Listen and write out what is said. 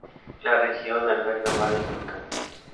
La región alberga varios volcanes.